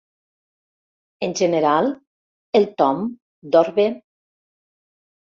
En general, el Tom dorm bé.